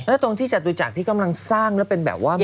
ถ้าต้องจัดต่วจักรที่จะกำลังสร้างเป็นแบบว่า